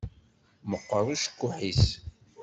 Meqqeṛ ucekkuḥ-is.